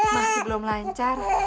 masih belum lancar